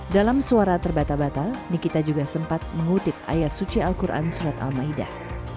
dalam suara terbata batal nikita juga sempat mengutip ayat suci al quran surat al maidah ⁇